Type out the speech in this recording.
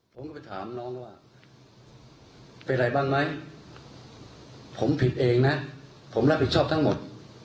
ผมก็ไปถามน้องว่าเป็นอะไรบ้างไหมผมผิดเองนะผมรับผิดชอบทั้งหมด